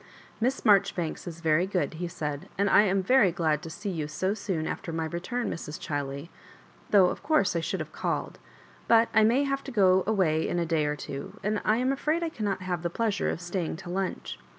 "Miss Maijoribanks is very good," he said, and I am very glad to see you so soon after my return, Mrs. Chiley — ^though, of course, I should have called ; but I may have to go away in a day or two ; and I am afraid I caimot have the pleasure of staying to lunch."